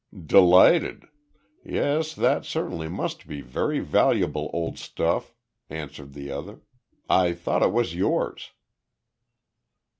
"Delighted. Yes, that certainly must be very valuable old stuff," answered the other. "I thought it was yours."